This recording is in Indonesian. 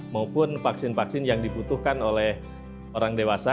maupun vaksin vaksin yang dibutuhkan oleh orang dewasa